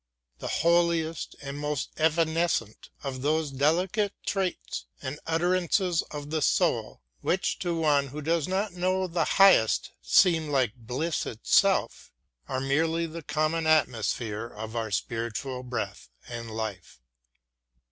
The holiest and most evanescent of those delicate traits and utterances of the soul, which to one who does not know the highest seem like bliss itself, are merely the common atmosphere of our spiritual breath and life.